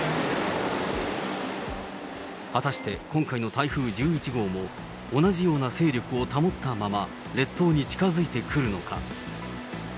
果たして今回の台風１１号も、同じような勢力を保ったまま列島に近づいてくるのか。